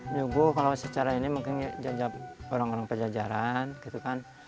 nyuguh kalau secara ini mungkin jajab orang orang pejajaran gitu kan